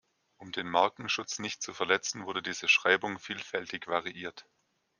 Um den Markenschutz nicht zu verletzen, wurde diese Schreibung vielfältig variiert.